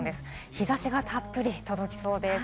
日差しがたっぷり届きそうです。